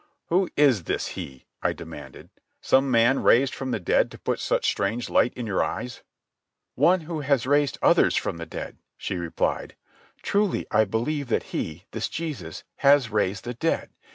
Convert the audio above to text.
"Who is this he?" I demanded. "Some man raised from the dead to put such strange light in your eyes?" "One who has raised others from the dead," she replied. "Truly I believe that He, this Jesus, has raised the dead.